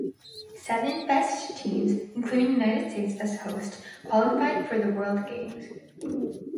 Seven best teams (including United States as host) qualified for the World Games.